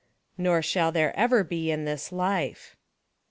Nor shall there ever be in this LIFE.